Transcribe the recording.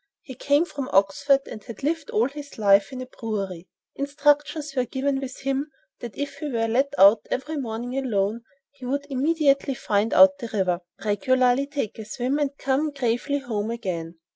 He came from Oxford and had lived all his life in a brewery. Instructions were given with him that if he were let out every morning alone he would immediately find out the river, regularly take a swim and come gravely home again.